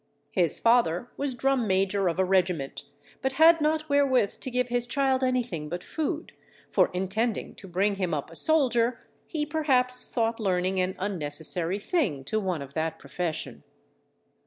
His father was drum major of a regiment, but had not wherewith to give his child anything but food, for intending to bring him up a soldier, he perhaps thought learning an unnecessary thing to one of that profession.